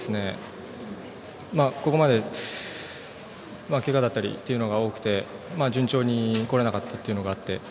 ここまでけがだったりが多くて順調にこれなかったというのがあって。